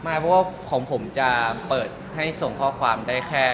ไม่เพราะว่าของผมจะเปิดให้ส่งข้อความได้แค่